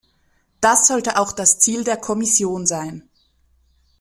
Das sollte auch das Ziel der Kommission sein.